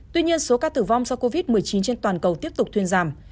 tuy nhiên số ca tử vong do covid một mươi chín trên toàn cầu tiếp tục thuyên giảm